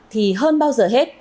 thì hơn bao giờ hết